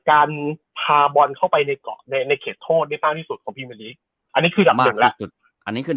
อันนี้คือดับ๑มากที่สุด